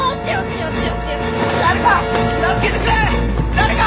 誰か！